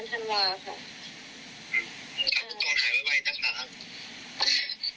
ไปหาคุณหมอสองที่ก็ได้ใบรัน